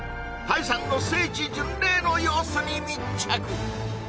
鯛さんの聖地巡礼の様子に密着